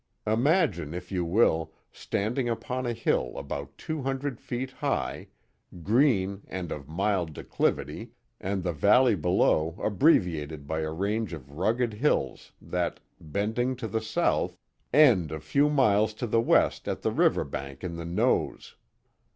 Imagine if you will, standing upon a hill about two hundred feet high, " green and of mild declivity," and the valley below abbreviated by a range of rugged hills that, bending to the south, end a few miles to the west at the river bank in the " Nose."